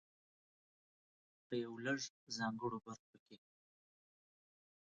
په يو لړ ځانګړو برخو کې.